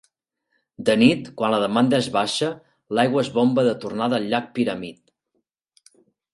De nit, quan la demanda és baixa, l'aigua es bomba de tornada al llac Pyramid.